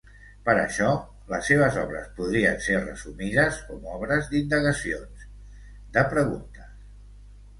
Per això les seves obres podrien ser resumides com obres d'indagacions, de preguntes.